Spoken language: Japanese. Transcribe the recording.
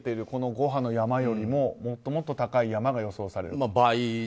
この５波の山よりももっと高い山が予想されると。